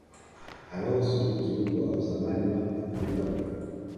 alonso ni kiungo wa zamani wa liverpool